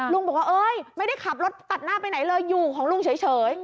ลุงบอกว่าเอ้ยไม่ได้ขับรถตัดหน้าไปไหนเลยอยู่ของลุงเฉย